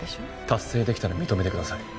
達成できたら認めてください。